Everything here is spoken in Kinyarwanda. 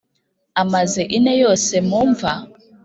amaze ine yose mu mva?